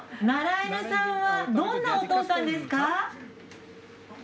ナラエヌさんはどんなお父さんですか？